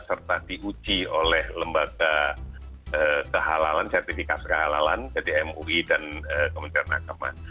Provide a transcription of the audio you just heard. serta diuji oleh lembaga sertifikat kehalalan jadi mui dan kementerian agama